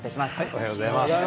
おはようございます。